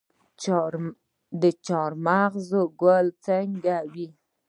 د چهارمغز ګل څنګه وي؟